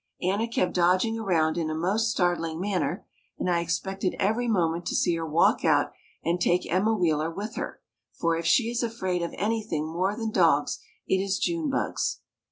Anna kept dodging around in a most startling manner and I expected every moment to see her walk out and take Emma Wheeler with her, for if she is afraid of anything more than dogs it is June bugs.